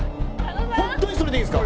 ホントにそれでいいんですか？